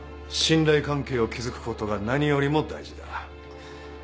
信頼関係を築くことが何よりも大事だ。